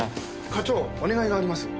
課長お願いがあります。